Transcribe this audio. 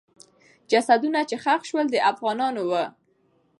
جسدونه چې ښخ سول، د افغانانو وو.